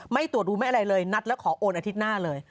ไม่ตรวจดูไม่อะไรเลยนัดแล้วขอโอนอาทิตย์หน้าเลย